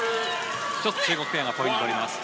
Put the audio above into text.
１つ、中国ペアがポイントを取ります。